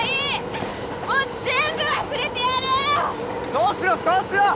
そうしろそうしろ！